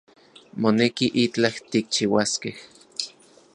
Moneki itlaj tikchiuaskej